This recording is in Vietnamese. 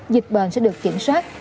dịch bệnh sẽ được kiểm soát